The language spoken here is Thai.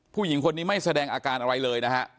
ผู้หญิงคนนี้ไม่แสดงอาการอะไรเลยนะฮะ